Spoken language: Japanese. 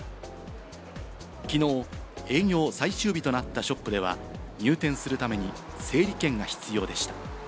きのう営業最終日となったショップでは、入店するために整理券が必要でした。